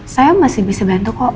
saya masih bisa bantu kok